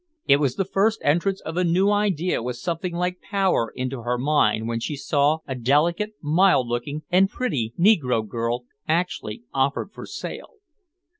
It was the first entrance of a new idea with something like power into her mind when she saw a delicate, mild looking, and pretty negro girl actually offered for sale.